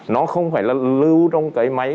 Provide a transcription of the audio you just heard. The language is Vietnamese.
nó không phải là lưu trong cái máy